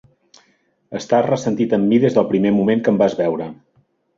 Estàs ressentit amb mi des del primer moment que em vas veure.